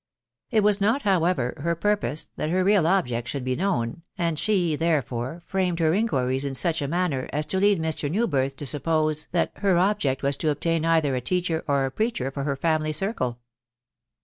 It was not, however, her purpose that her real object should he known, and she, therefore, framed her inquiries in such a manner as to lead Mr. Newbhth to suppose that her object was to obtain either a teacher or a preacher for her family circle.